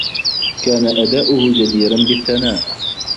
كان أداؤه جديراً بالثناء.